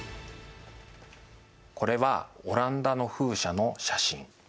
これはオランダの風車の写真。